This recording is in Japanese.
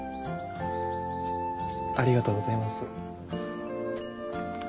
ありがとうございます。